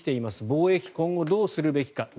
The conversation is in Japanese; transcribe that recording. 防衛費、今後どうするべきか。